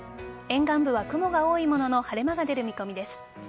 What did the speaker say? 沿岸部は雲が多いものの晴れ間が出る見込みです。